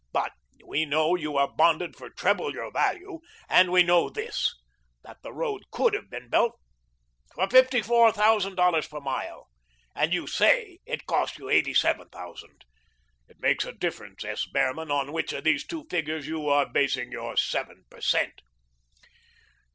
But we know you are bonded for treble your value; and we know this: that the road COULD have been built for fifty four thousand dollars per mile and that you SAY it cost you eighty seven thousand. It makes a difference, S. Behrman, on which of these two figures you are basing your seven per cent."